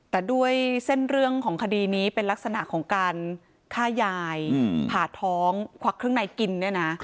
แต่ด้วยเส้นเรื่องของคดีนี้เป็นลักษณะของการฆ่ายายผ่าท้องควักเครื่องในกินเนี่ยนะ